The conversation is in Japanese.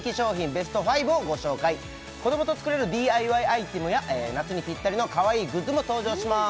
ベスト５をご紹介子供と作れるＤＩＹアイテムや夏にピッタリのかわいいグッズも登場します